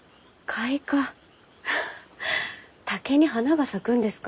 あ竹に花が咲くんですか？